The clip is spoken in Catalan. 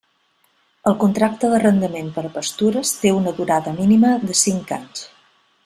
El contracte d'arrendament per a pastures té una durada mínima de cinc anys.